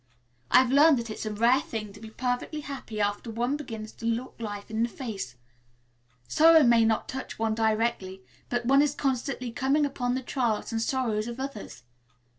I've learned that it's a rare thing to be perfectly happy after one begins to look life in the face. Sorrow may not touch one directly, but one is constantly coming upon the trials and sorrows of others.